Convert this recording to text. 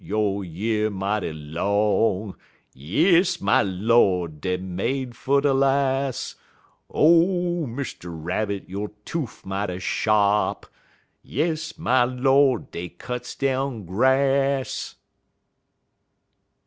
yo' year mighty long Yes, my Lord! dey made fer ter las'; O Mr. Rabbit! yo' toof mighty sharp Yes, my Lord! dey cuts down grass!